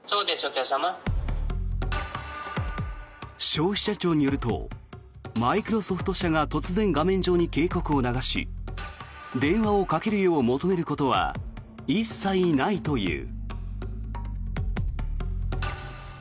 消費者庁によるとマイクロソフト社が突然、画面上に警告を流し電話をかけるよう求めることは一切ないという。